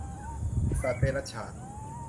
สัตว์เดรัจฉาน